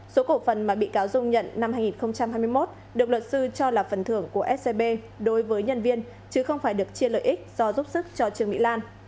số cổ phần mà bị cáo dung nhận năm hai nghìn hai mươi một được luật sư cho là phần thưởng của scb đối với nhân viên chứ không phải được chia lợi ích do giúp sức cho trương mỹ lan